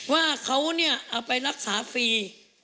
ว่าเขาเอาไปรักษาฟรี